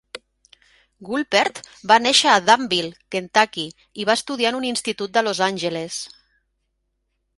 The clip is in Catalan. Woolpert va néixer a Danville, Kentucky, i va estudiar en un institut de Los Angeles.